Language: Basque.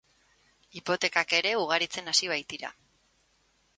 Hipotekak ere ugaritzen hasi baitira.